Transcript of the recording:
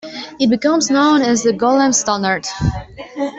It becomes known as the Golem standard.